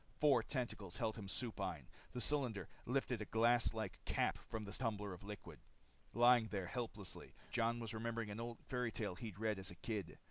Four tentacles held him supine. The cylinder lifted a glass like cap from the tumbler of liquid. Lying there helplessly, Jon was remembering an old fairy tale he'd read as a kid.